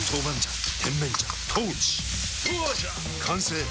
完成！